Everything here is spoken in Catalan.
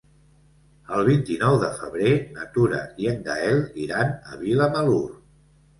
El vint-i-nou de febrer na Tura i en Gaël iran a Vilamalur.